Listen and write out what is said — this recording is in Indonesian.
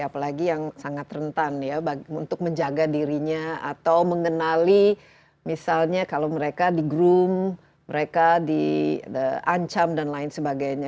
apalagi yang sangat rentan ya untuk menjaga dirinya atau mengenali misalnya kalau mereka di groom mereka diancam dan lain sebagainya